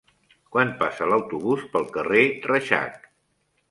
Quan passa l'autobús pel carrer Reixac?